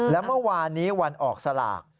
และเมื่อวานนี้วันออกสลาก